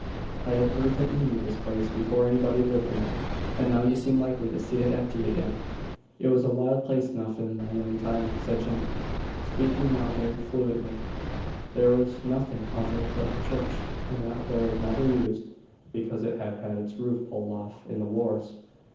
"I have heard that you knew this place before anybody lived in it: and now you seem likely to see it empty again." "It was a wild place enough in my young time," said Jem, speaking now very fluently. "There was nothing of it but the church; and that was never used, because it had had its roof pulled off in the wars.